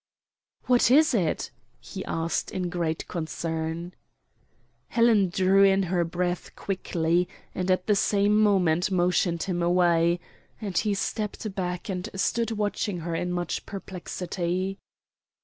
"What is it?" he asked in great concern. Helen drew in her breath quickly, and at the same moment motioned him away and he stepped back and stood watching her in much perplexity.